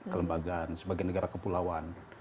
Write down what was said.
kelembagaan sebagai negara kepulauan